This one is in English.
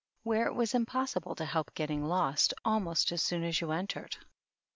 where it was impossible to help getting lost almost as soon as you entered.